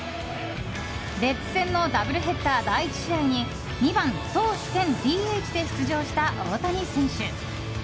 レッズ戦のダブルヘッダー第１試合に２番投手兼ＤＨで出場した大谷選手。